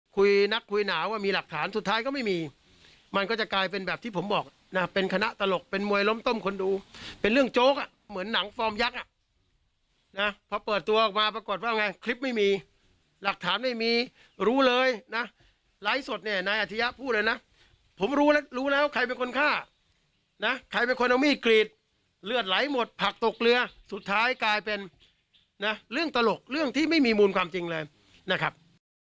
กลายเป็นเรื่องตลกเรื่องที่ไม่มีมูลความจริงเลยนะครับ